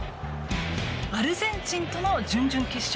アルゼンチンとの準々決勝。